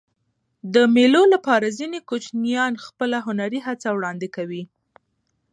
د مېلو له پاره ځيني کوچنيان خپله هنري هڅه وړاندي کوي.